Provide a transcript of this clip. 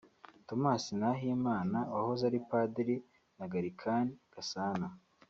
Thomas Nahimana (wahoze ari Padiri) na Gallican Gasana